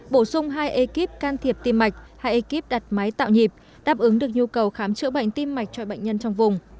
bổ sung hai ekip can thiệp tim mạch hai ekip đặt máy tạo nhịp đáp ứng được nhu cầu khám chữa bệnh tim mạch cho bệnh nhân trong vùng